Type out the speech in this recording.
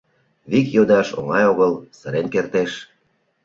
Вик йодаш — оҥай огыл, сырен кертеш...